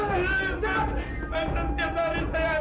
halo pihasil di sekitarnya